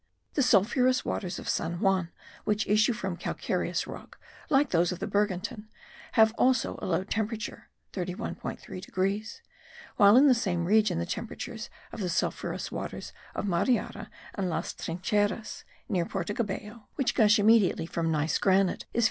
The sulphurous waters of San Juan which issue from calcareous rock, like those of the Bergantin, have also a low temperature (31.3 degrees); while in the same region the temperature of the sulphurous waters of Mariara and Las Trincheras (near Porto Cabello), which gush immediately from gneiss granite, is 58.